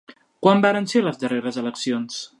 Quan varen ser les darreres eleccions?